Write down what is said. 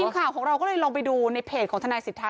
ข่าวของเราก็เลยลองไปดูในเพจของทนายสิทธา